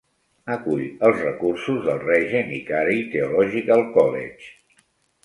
Acull els recursos del Regent i Carey Theological College.